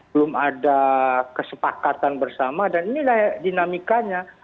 belum ada kesepakatan bersama dan inilah dinamikanya